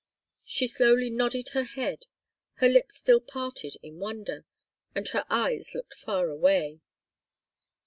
She slowly nodded her head, her lips still parted in wonder, and her eyes looked far away.